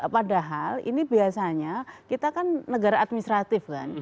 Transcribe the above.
padahal ini biasanya kita kan negara administratif kan